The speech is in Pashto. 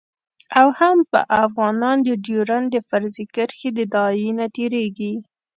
او هم به افغانان د ډیورند د فرضي کرښې د داعیې نه تیریږي